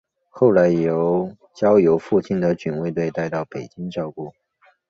后来交由父亲的警卫员带到北京照顾。